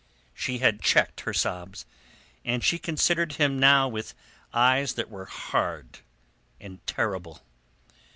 She had checked her sobs, and she considered him now with eyes that were hard and terrible.